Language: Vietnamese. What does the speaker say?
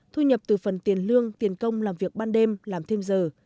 thu nhập từ phần tiền lương tiền công làm việc ban đêm làm thêm giờ